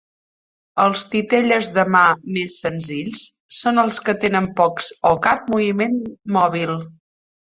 Els titelles de mà més senzills són els que tenen pocs o cap moviment mòbil.